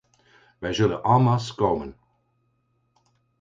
Wij zullen en masse komen.